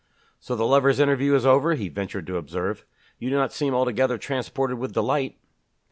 "So the lovers' interview is over!" he ventured to observe. "You do not seem altogether transported with delight."